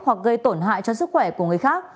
hoặc gây tổn hại cho sức khỏe của người khác